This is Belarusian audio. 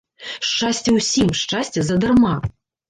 Шчасце ўсім, шчасце задарма.